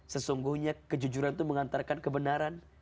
sesungguhnya kejujuran itu mengantarkan kebenaran